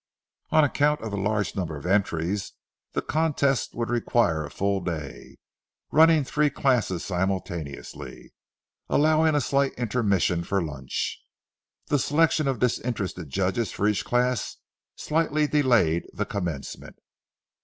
On account of the large number of entries the contests would require a full day, running the three classes simultaneously, allowing a slight intermission for lunch. The selection of disinterested judges for each class slightly delayed the commencement.